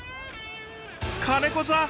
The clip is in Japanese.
金子さん